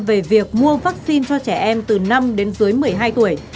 về việc mua vaccine cho trẻ em từ năm đến dưới một mươi hai tuổi